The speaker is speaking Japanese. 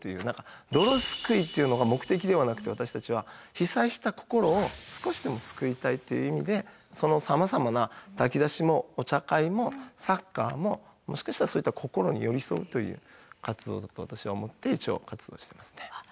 何か泥すくいっていうのが目的ではなくて私たちは被災した心を少しでも救いたいという意味でそのさまざまな炊き出しもお茶会もサッカーももしかしたらそういった心に寄り添うという活動だと私は思って一応活動してますね。